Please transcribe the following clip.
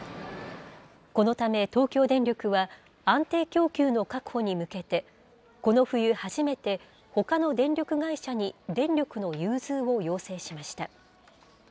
このため東京電力は、安定供給の確保に向けて、この冬初めて、ほかの電力会社に電力の融通を要請しました。